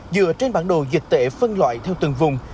dựa trên bản đồ dịch tễ phân loại theo từng vùng